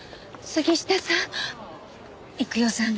杉下さん！